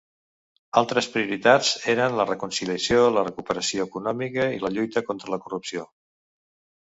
Altres prioritats eren la reconciliació, la recuperació econòmica i la lluita contra la corrupció.